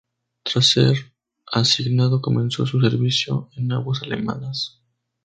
Tras ser asignado, comenzó su servicio en aguas alemanas.